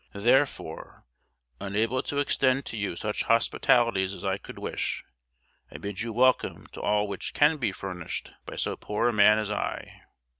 Therefore, unable to extend to you such hospitalities as I could wish, I bid you welcome to all which can be furnished by so poor a man as I.